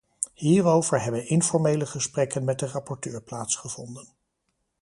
Hierover hebben informele gesprekken met de rapporteur plaatsgevonden.